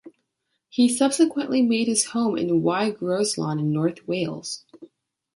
He subsequently made his home in Y Groeslon in North Wales.